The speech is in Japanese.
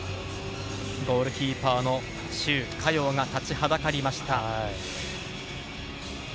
ゴールキーパーのシュウ・カヨウが立ちはだかりました。